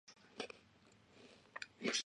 大学学历。